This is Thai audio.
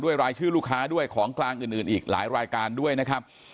รายชื่อลูกค้าด้วยของกลางอื่นอีกหลายรายการด้วยนะครับ